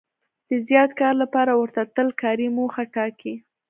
د زیات کار لپاره ورته تل کاري موخه ټاکي.